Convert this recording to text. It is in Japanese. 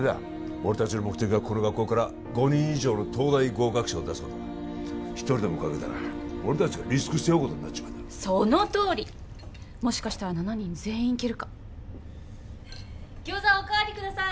俺達の目的はこの学校から５人以上の東大合格者を出すことだ１人でも欠けたら俺達がリスク背負うことになっちまうだろそのとおりもしかしたら７人全員いけるか餃子おかわりください